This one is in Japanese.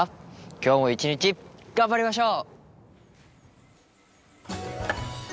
今日も一日頑張りましょう！